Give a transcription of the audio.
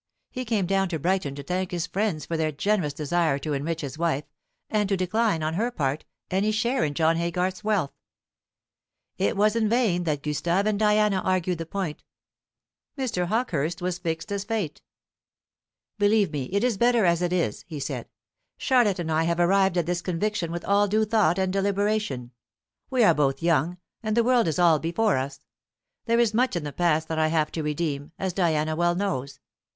He came down to Brighton to thank his friends for their generous desire to enrich his wife, and to decline, on her part, any share in John Haygarth's wealth. It was in vain that Gustave and Diana argued the point, Mr. Hawkehurst was fixed as fate. "Believe me, it is better as it is," he said. "Charlotte and I have arrived at this conviction with all due thought and deliberation. We are both young, and the world is all before us. There is much in the past that I have to redeem, as Diana well knows.